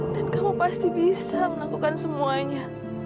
dan kamu pasti bisa melakukan semuanya